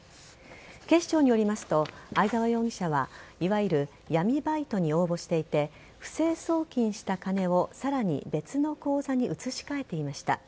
警視庁によりますと相沢容疑者はいわゆる闇バイトに応募していて不正送金した金をさらに別の口座に移し替えていました。